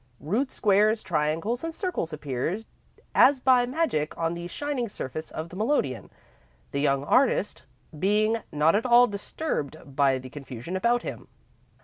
Rude squares, triangles, and circles appeared as by magic on the shining surface of the melodeon, the young artist being not at all disturbed by the confusion about him.